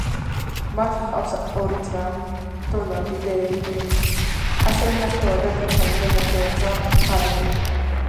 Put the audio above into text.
მას ჰყავს ორი ძმა, დონალდი და ერიკი, ასევე ნახევარდა ტიფანი და ნახევარძმა, ბარონი.